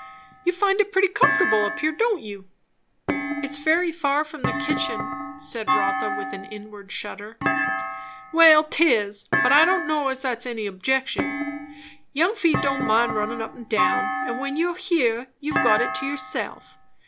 "You find it pretty comfortable up here, don't you." "It's very far from the kitchen " said Rotha with an inward shudder. "Well 'tis; but I don' know as that's any objection. Young feet don't mind runnin' up and down; and when you are here, you've got it to yourself.